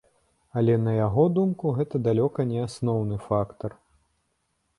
Але на яго думку, гэта далёка не асноўны фактар.